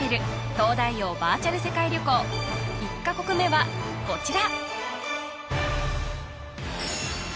東大王バーチャル世界旅行１か国目はこちら